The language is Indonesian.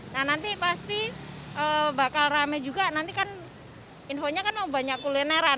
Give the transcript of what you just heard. nah nanti pasti bakal rame juga nanti kan infonya kan banyak kulineran